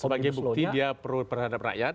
sebagai bukti dia perlu berhadap rakyat